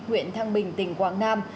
huyện thăng bình tỉnh quảng nam